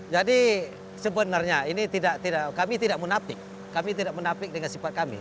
jadi sebenarnya ini tidak kami tidak menapik kami tidak menapik dengan sifat kami